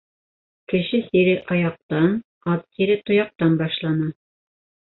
Кеше сире аяҡтан, ат сире тояҡтан башлана.